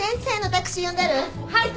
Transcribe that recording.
はい。